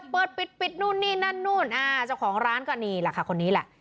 เปิดปิดนู่นนี่นั่นนู่นอ่าเจ้าของร้านก็นี่แหละค่ะคนนี้แหละ